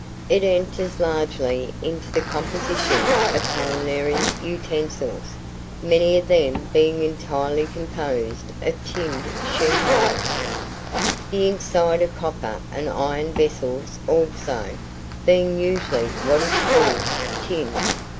It enters largely into the composition of culinary utensils, many of them being entirely composed of tinned sheet iron; the inside of copper and iron vessels also, being usually what is called tinned.